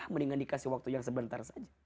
mendingan dikasih waktu yang sebentar saja